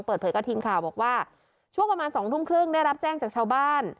เปิดเผยกับทีมข่าวบอกว่าช่วงประมาณ๒ทุ่มครึ่งได้รับแจ้งจากชาวบ้าน